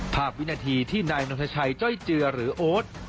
ภาพวินาทีที่นายน้องนาชัยเจ้าเจือหรือโอ๊ต